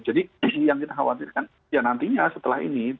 jadi yang kita khawatirkan ya nantinya setelah ini